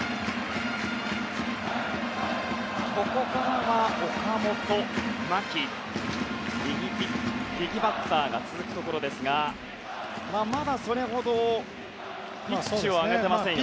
ここからは岡本、牧と右バッターが続くところですがまだそれほどピッチは上げていませんよね。